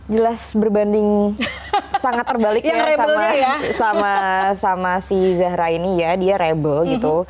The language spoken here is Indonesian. jelas berbanding sangat terbalik ya sama si zahra ini ya dia rebel gitu